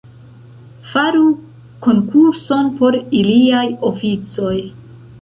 Faru konkurson por iliaj oficoj.